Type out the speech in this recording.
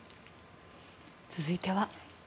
続いては。